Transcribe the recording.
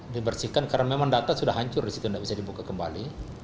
dibersihkan karena memang data sudah hancur di situ tidak bisa dibuka kembali